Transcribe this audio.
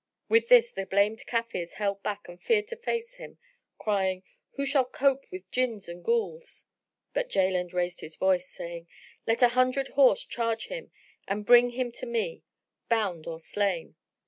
With this the blamed Kafirs held back and feared to face him, crying, "Who shall cope with Jinns and Ghuls?" But Jaland raised his voice saying, "Let an hundred horse charge him and bring him to me, bound or slain."